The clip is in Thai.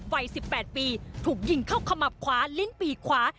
วัย๑๘ปีถูกยิงเข้าขมับขวาลิ้นปีกขวา